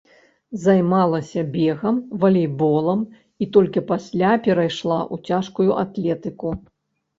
Займалася бегам, валейболам і толькі пасля перайшла ў цяжкую атлетыку.